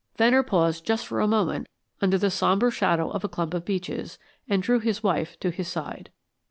Venner paused just for a moment under the sombre shadow of a clump of beeches, and drew his wife to his side.